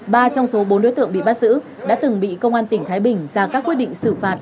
ba trong số bốn đối tượng bị bắt giữ đã từng bị công an tỉnh thái bình ra các quyết định xử phạt